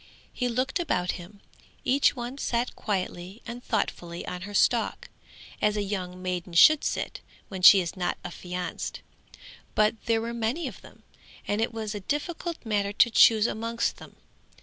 He looked about him. Each one sat quietly and thoughtfully on her stalk, as a young maiden should sit, when she is not affianced; but there were many of them, and it was a difficult matter to choose amongst them.